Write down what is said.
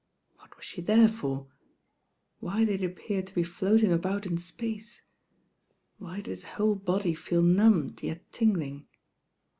What was she there for? Why did he appear to be floating about in space? Why did his whole body feel numbed, yet tingling?